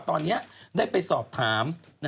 ตอนนี้ได้ไปสอบถาม